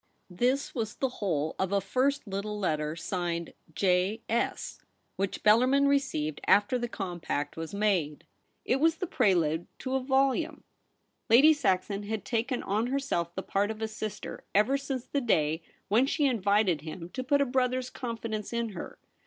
This was the whole of a first little letter signed ' J. S.' which Bellarmin received after the compact was made. It was the prelude to a volume. Lady Saxon had taken on her self the part of a sister ever since the day when she invited him to put a brother's con fidence in her.